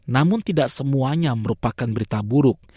namun tidak semuanya merupakan berita buruk